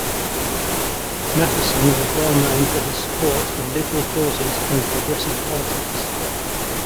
Matthiessen was well known for his support of liberal causes and progressive politics.